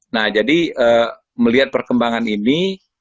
nah jadi melihat perkembangan ini